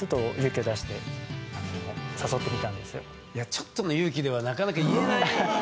ちょっとの勇気ではなかなか言えない。